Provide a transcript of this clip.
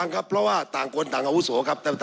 ครับ